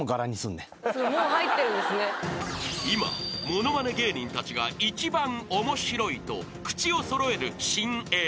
［今物まね芸人たちが一番面白いと口を揃える新鋭